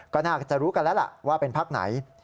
ก็น่าจะรู้กันแล้วล่ะว่าเป็นพักไหน